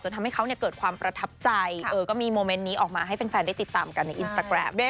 ทำให้เขาเกิดความประทับใจก็มีโมเมนต์นี้ออกมาให้แฟนได้ติดตามกันในอินสตาแกรมด้วย